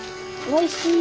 おいしい？